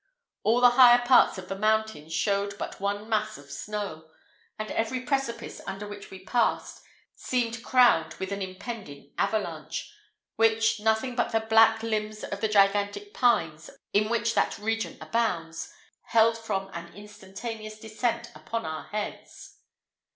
All the higher parts of the mountains showed but one mass of snow; and every precipice under which we passed seemed crowned with an impending avalanche, which nothing but the black limbs of the gigantic pines, in which that region abounds, held from an instantaneous descent upon our heads.